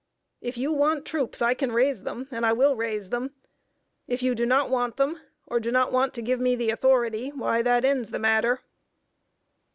If you want troops, I can raise them, and I will raise them. If you do not want them, or do not want to give me the authority, why that ends the matter."